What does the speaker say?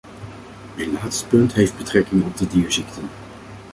Mijn laatste punt heeft betrekking op de dierziekten.